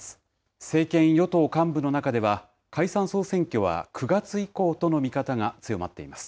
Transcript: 政権与党幹部の中では、解散・総選挙は９月以降との見方が強まっています。